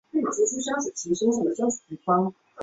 奥尔堡机场是北欧最多人使用的机场之一。